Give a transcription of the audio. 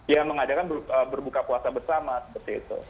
ya mengadakan berbuka puasa bersama seperti itu